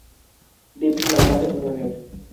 দ্বীপটি লম্বাটে ধরনের।